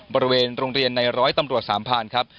บริเวณโรงเรียนในร้อยตำรวจสามพานครับ